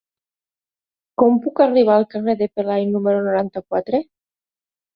Com puc arribar al carrer de Pelai número noranta-quatre?